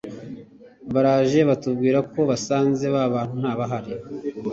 baraje batubwira ko basanze ba bantu ntabahari